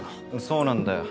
そうなんだよ。